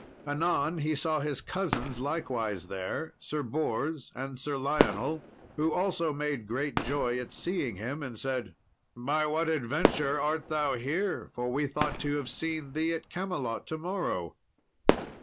Anon he saw his cousins likewise there, Sir Bors and Sir Lionel, who also made great joy at seeing him, and said, "By what adventure art thou here, for we thought to have seen thee at Camelot to morrow?"